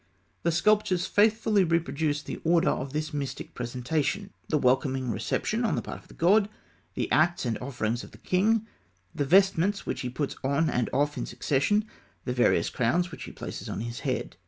The sculptures faithfully reproduce the order of this mystic presentation: the welcoming reception on the part of the god; the acts and offerings of the king; the vestments which he puts on and off in succession; the various crowns which he places on his head.